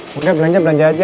makanya belanja belanja aja